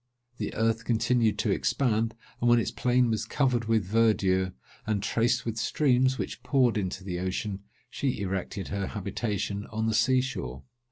The earth continued to expand; and when its plain was covered with verdure, and traced with streams, which poured into the ocean, she erected her habitation on the sea shore.